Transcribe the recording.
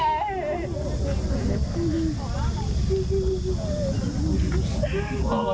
แม่ให้แม่ช่วยหนูด้วย